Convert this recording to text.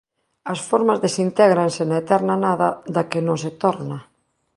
As formas desintégranse na eterna nada da que non se torna.